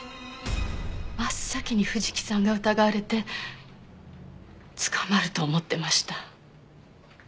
真っ先に藤木さんが疑われて捕まると思ってました。